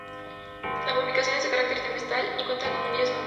La publicación es de carácter trimestral y cuenta con diez números.